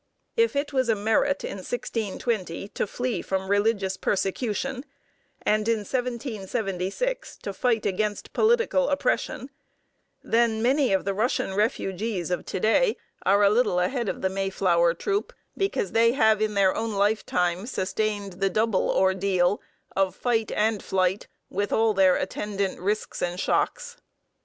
If it was a merit in 1620 to flee from religious persecution, and in 1776 to fight against political oppression, then many of the Russian refugees of to day are a little ahead of the Mayflower troop, because they have in their own lifetime sustained the double ordeal of fight and flight, with all their attendant risks and shocks.